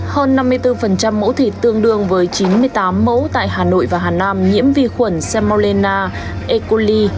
hơn năm mươi bốn mẫu thịt tương đương với chín mươi tám mẫu tại hà nội và hà nam nhiễm vi khuẩn salmonela ecoli